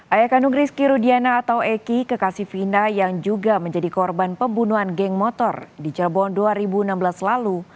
ayahkan nugri skirudiana atau eki kekasih vina yang juga menjadi korban pembunuhan geng motor di jawa barat dua ribu enam belas lalu